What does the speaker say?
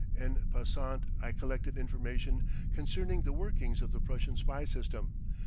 En passant I collected information concerning the workings of the Prussian spy system.